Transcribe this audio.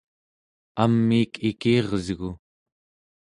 amiik ikiresgu